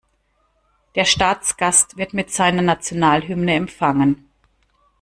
Der Staatsgast wird mit seiner Nationalhymne empfangen.